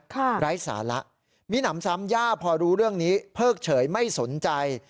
ไร้สาระมีหนำซ้ำย่าพอรู้เรื่องนี้เพิกเฉยไม่สนใจ